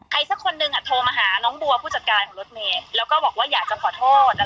สักคนหนึ่งโทรมาหาน้องบัวผู้จัดการของรถเมย์แล้วก็บอกว่าอยากจะขอโทษ